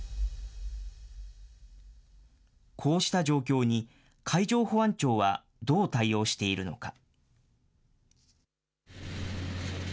こうした状況に、海上保安庁はどう対応しているのか。